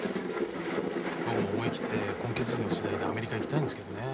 僕も思い切って混血児の取材でアメリカへ行きたいんですけどね。